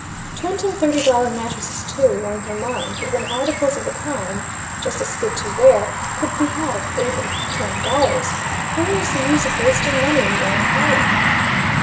Twenty and thirty dollar mattresses, too, were in her mind, but when articles of the kind, just as good to wear, could be had at eight and ten dollars, where was the use of wasting money in going higher?